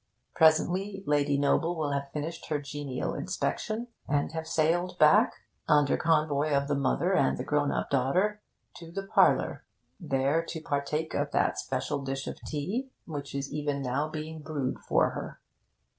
Presently Lady Noble will have finished her genial inspection, and have sailed back, under convoy of the mother and the grown up daughter, to the parlour, there to partake of that special dish of tea which is even now being brewed for her.